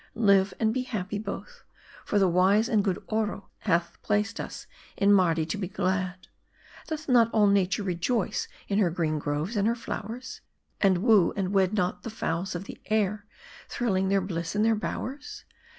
Lave and be happy, both ; for the wise and good Oro hath placed us in Mardi to be, glad. Doth not all 348 M A R D I. nature rejoice in her green groves and her flowers ? and woo and wed not the 'fowls of the air, trilling their bliss in their bowers